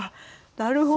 なるほど。